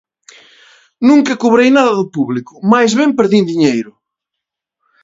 Nunca cobrei nada do público, máis ben perdín diñeiro.